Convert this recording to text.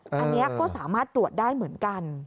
อันนี้ก็สามารถตรวจได้เหมือนกัน